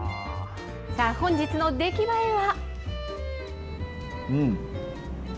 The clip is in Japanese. さあ、本日の出来栄えは。